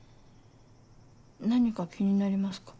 何か気になりますか？